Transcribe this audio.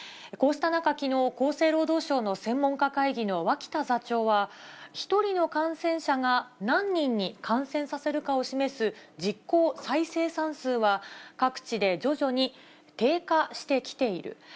こうした中、きのう、厚生労働省の専門家会議の脇田座長は、１人の感染者が何人に感染させるかを示す、実効再生産数は、各地で徐々に低下してきている。